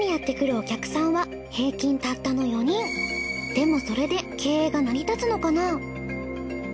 でもそれで経営が成り立つのかな？